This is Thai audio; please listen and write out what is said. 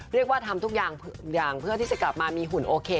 เรียกว่าทำทุกอย่างเพื่อที่จะกลับมามีหุ่นโอเค